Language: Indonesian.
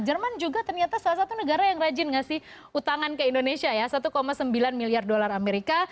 jerman juga ternyata salah satu negara yang rajin ngasih utangan ke indonesia ya satu sembilan miliar dolar amerika